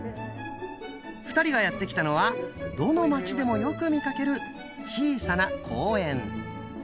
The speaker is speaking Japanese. ２人がやって来たのはどの街でもよく見かける小さな公園。